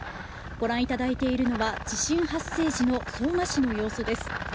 ご覧いただいているのは地震発生時の相馬市の様子です。